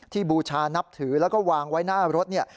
บูชานับถือแล้วก็วางไว้หน้ารถเนี่ย